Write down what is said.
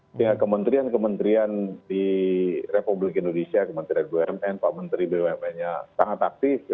sehingga kementerian kementerian di republik indonesia kementerian bumn pak menteri bumn nya sangat aktif